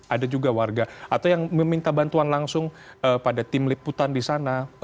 ada juga warga atau yang meminta bantuan langsung pada tim liputan di sana